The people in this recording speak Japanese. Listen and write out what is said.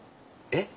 えっ？